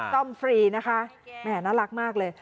ซ่อมฟรีนะคะแหมน่ารักมากเลย